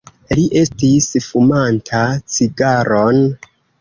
Li estis fumanta cigaron.